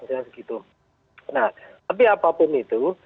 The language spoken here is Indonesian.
nah tapi apapun itu